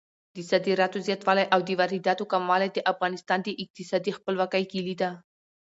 د صادراتو زیاتوالی او د وارداتو کموالی د افغانستان د اقتصادي خپلواکۍ کیلي ده.